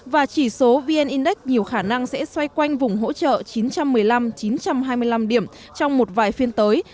và chỉ số vn index nhiều khả năng sẽ xoay quanh vùng hỗ trợ chín trăm một mươi năm chín trăm hai mươi năm điểm trong một vài phiên tới